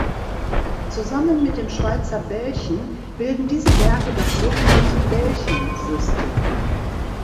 Zusammen mit dem Schweizer Belchen bilden diese Berge das sogenannte Belchen-System.